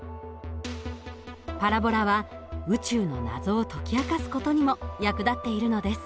パラボラは宇宙の謎を解き明かす事にも役立っているのです。